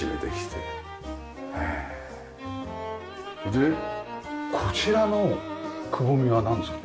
でこちらのくぼみはなんですか？